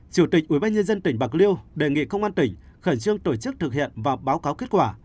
chủ tịch ubnd tỉnh bạc liêu đề nghị công an tỉnh khẩn trương tổ chức thực hiện và báo cáo kết quả